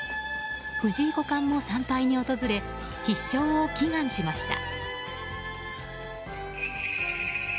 藤井五冠も参拝に訪れ必勝を祈願しました。